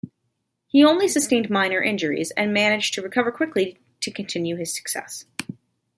He only sustained minor injuries, and managed to recover quickly to continue his success.